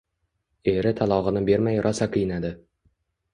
Eri talogʻini bermay rosa qiynadi.